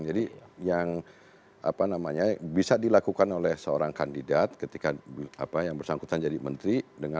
jadi yang bisa dilakukan oleh seorang kandidat ketika bersangkutan jadi menteri